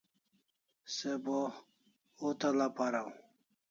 Se bo hutal'a paraw